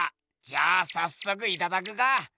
じゃあさっそくいただくか！